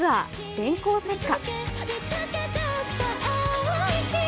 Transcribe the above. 「電光石火」。